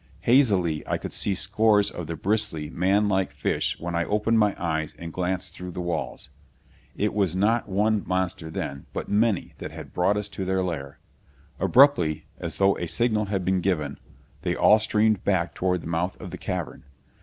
Hazily I could see scores of the bristly, manlike fish when I opened my eyes and glanced through the walls. It was not one monster then, but many that had brought us to their lair. Abruptly, as though a signal had been given, they all streamed back toward the mouth of the cavern....